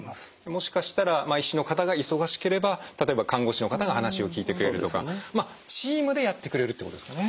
もしかしたら医師の方が忙しければ例えば看護師の方が話を聞いてくれるとかチームでやってくれるということですかね。